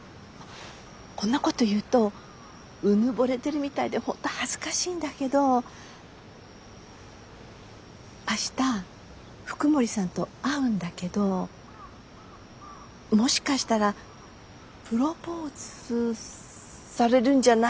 こんなこと言うとうぬぼれてるみたいで本当恥ずかしいんだけど明日福森さんと会うんだけどもしかしたらプロポーズされるんじゃないかと思ってて。